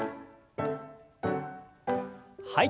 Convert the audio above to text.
はい。